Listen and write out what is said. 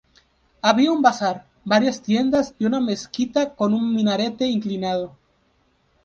Había un bazar, varias tiendas y una mezquita con un minarete inclinado.